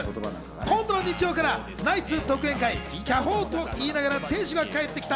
今度の日曜から、ナイツ独演会「キャホー」と言いながら亭主が帰ってきた。